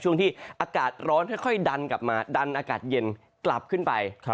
ช่วงที่อากาศร้อนค่อยดันกลับมาดันอากาศเย็นกลับขึ้นไป